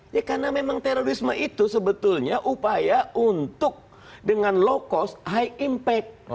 ya karena memang terorisme itu sebetulnya upaya untuk dengan low cost high impact